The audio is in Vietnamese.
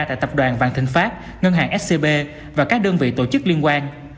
tại tập đoàn vạn thịnh pháp ngân hàng scb và các đơn vị tổ chức liên quan